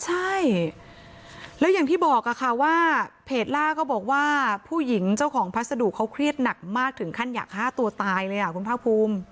ใช่แล้วอย่างที่บอกค่ะว่าเพจล่าก็บอกว่าผู้หญิงเจ้าของพัสดุเขาเครียดหนักมากถึงขั้นอยากฆ่าตัวตายเลยอ่ะคุณภาคภูมิ